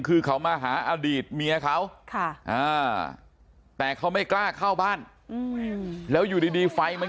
คือเขามาหาอดีตเมียเขาแต่เขาไม่กล้าเข้าบ้านแล้วอยู่ดีไฟมัน